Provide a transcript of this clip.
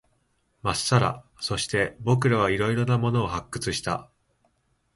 まっさら。そして、僕らは色々なものを発掘した。